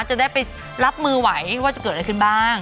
จะได้ไปรับมือไหวว่าจะเกิดอะไรขึ้นบ้าง